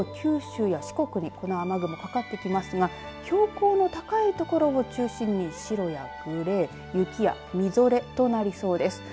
あすの夜以降、九州や四国でこの雨雲、かかってきますが標高の高い所を中心に白やグレー、雪やみぞれとなりそうです。